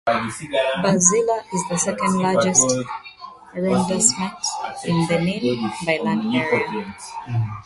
Bassila is the second largest arrondissement in Benin by land area.